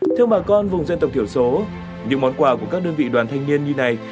theo bà con vùng dân tộc thiểu số những món quà của các đơn vị đoàn thanh niên như này